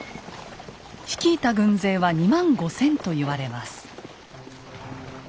率いた軍勢は２万５，０００と言われます。